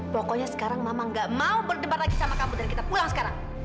pokoknya sekarang mama nggak mau berdebar lagi sama kamu dari kita pulang sekarang